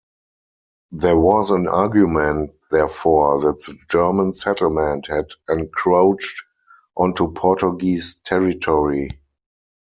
There was an argument, therefore, that the German settlement had encroached onto Portuguese territory.